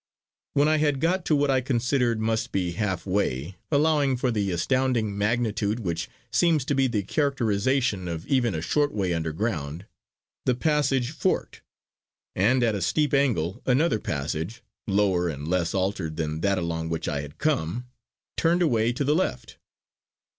When I had got to what I considered must be half way, allowing for the astounding magnitude which seems to be the characterisation of even a short way under ground; the passage forked, and at a steep angle another passage, lower and less altered than that along which I had come, turned away to the left.